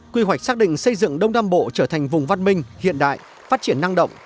quy hoạch xác định xây dựng đông nam bộ trở thành vùng văn minh hiện đại phát triển năng động